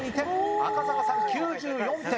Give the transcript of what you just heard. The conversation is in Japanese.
赤坂さん９４点。